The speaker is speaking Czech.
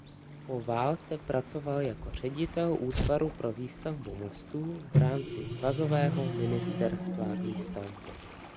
Po válce pracoval jako ředitel útvaru pro výstavbu mostů v rámci Svazového ministerstva výstavby.